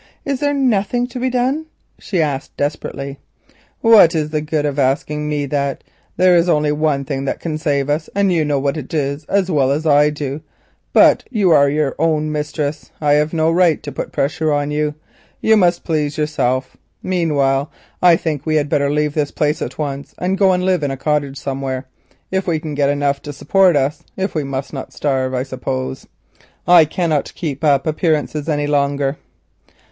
Is there nothing to be done?" she said in despair. "What is the good of asking me that? There is only one thing that can save us, and you know what it is as well as I do. But you are your own mistress. I have no right to put pressure on you. I don't wish to put pressure on you. You must please yourself. Meanwhile I think we had better leave this place at once, and go and live in a cottage somewhere, if we can get enough to support us; if not we must starve, I suppose. I cannot keep up appearances any longer."